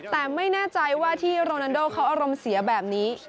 แต่ไม่แน่ใจว่าที่โรนันโดเขาอารมณ์เสียแบบนี้